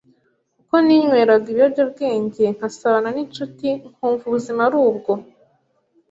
kuko ninyweraga ibiyobyabwenge nkasabana n’inshuti nkumva ubuzima ari ubwo,